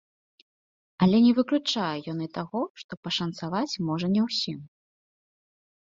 Але не выключае ён і таго, што пашанцаваць можа не ўсім.